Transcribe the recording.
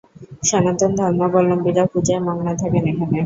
সনাতন ধর্মাবলম্বীরা পূজায় মগ্ন থাকেন এখানে।